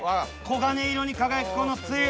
黄金色に輝くこのつゆ。